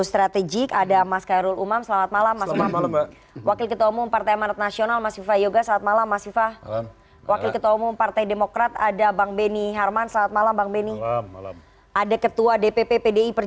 selamat malam pak amir